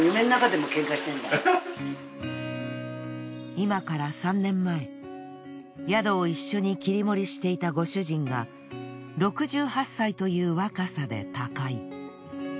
今から３年前宿を一緒に切り盛りしていたご主人が６８歳という若さで他界。